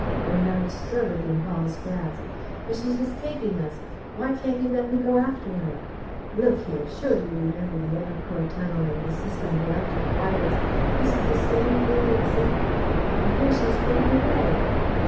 Bernard struggled in Paul's grasp: "But she's escaping us! ... Why can't you let me go after her? ... Look here, surely you remember the Èbrecourt tunnel and the system of electric wires? This is the same thing exactly! And here she is getting away!